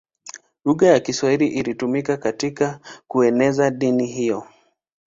Lugha ya Kiswahili ilitumika katika kueneza dini hiyo.